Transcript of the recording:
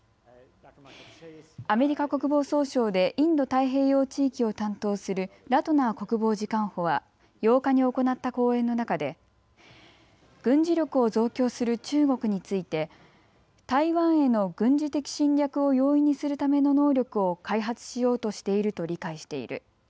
アメリカ国防総省でインド太平洋地域を担当するラトナー国防次官補は８日に行った講演の中で軍事力を増強する中国について台湾への軍事的侵略を容易にするための能力を開発しようとしていると理解している。